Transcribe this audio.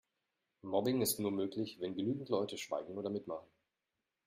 Mobbing ist nur möglich, wenn genügend Leute schweigen oder mitmachen.